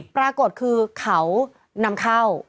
ปรากฏคือเขานำเข้า